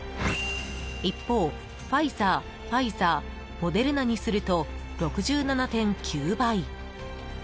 一方、ファイザー、ファイザーモデルナにすると６７．９倍。